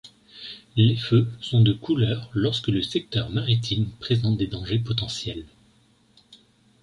Les feux sont de couleur lorsque le secteur maritime présente des dangers potentiels.